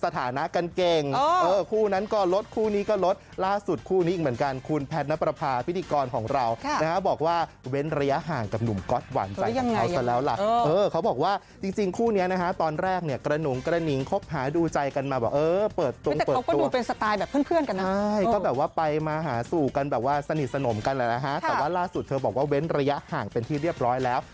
เธอบอกว่าเว้นระยะห่างเป็นที่เรียบร้อยแล้ว